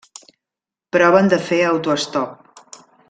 Proven de fer autoestop.